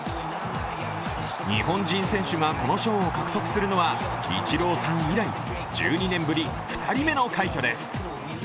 日本人選手がこの賞を獲得するのはイチローさん以来１２年ぶり２人目の快挙です。